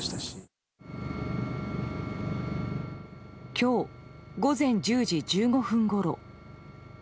今日午前１０時１５分ごろ。